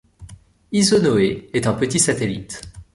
Isonoé est un petit satellite.